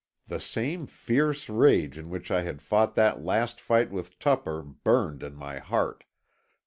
The same fierce rage in which I had fought that last fight with Tupper burned in my heart.